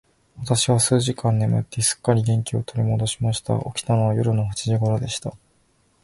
私は数時間眠って、すっかり元気を取り戻しました。起きたのは夜の八時頃でした。